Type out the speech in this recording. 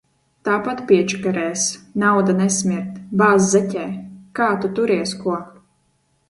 Tāpat piečakarēs. Nauda nesmird. Bāz zeķē. Kā tu turies, ko?